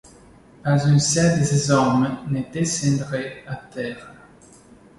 Pas un seul de ses hommes ne descendrait à terre.